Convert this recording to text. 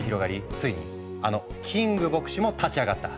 ついにあのキング牧師も立ち上がった。